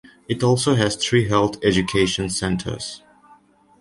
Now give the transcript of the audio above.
It also has three health education centers.